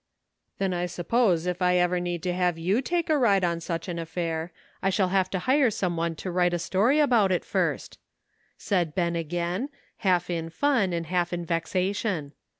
" Then I suppose if I ever need to have you take a ride on such an affair I shall have to hire some one to write a story about it first," said Ben again, half in fun and half in vex ation.